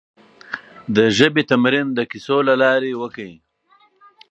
د ژبې تمرين د کيسو له لارې وکړئ.